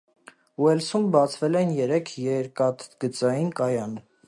Ուելսում բացվել էին երեք երկաթգծային կայան։